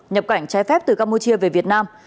nhập cảnh trái phép từ campuchia về việt nam